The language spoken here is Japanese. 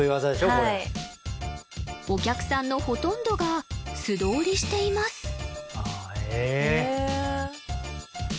はいお客さんのほとんどが素通りしていますああええ